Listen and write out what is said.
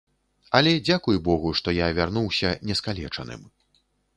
Але дзякуй богу, што я вярнуўся не скалечаным.